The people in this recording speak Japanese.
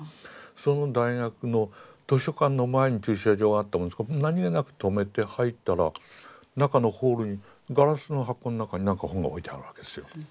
その大学の図書館の前に駐車場があったものですから何気なく止めて入ったら中のホールにガラスの箱の中になんか本が置いてあるわけですよ。